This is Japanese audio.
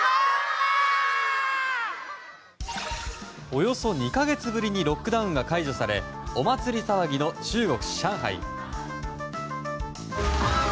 およそ２か月ぶりにロックダウンが解除されお祭り騒ぎの中国・上海。